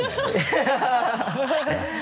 ハハハ